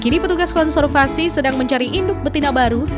kini petugas konservasi sedang mencari induk betina baru